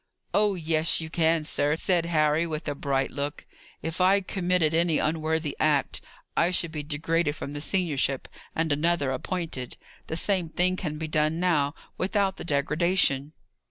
"Oh yes, you can, sir," said Harry, with a bright look. "If I committed any unworthy act, I should be degraded from the seniorship, and another appointed. The same thing can be done now, without the degradation."